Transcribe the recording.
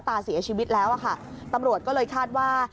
ตาเสียชีวิตแล้วอะค่ะตำรวจก็เลยคาดว่า